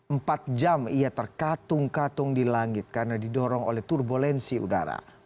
empat jam ia terkatung katung di langit karena didorong oleh turbulensi udara